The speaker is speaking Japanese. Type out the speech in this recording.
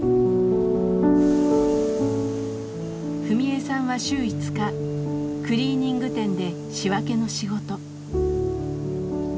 史恵さんは週５日クリーニング店で仕分けの仕事。